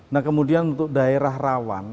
nah kemudian untuk daerah rawan